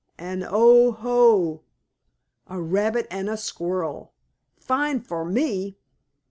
And oh, ho! A rabbit and a squirrel! Fine for me!